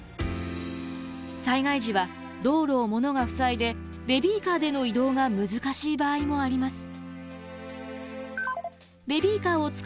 災害時は道路を物が塞いでベビーカーでの移動が難しい場合もあります。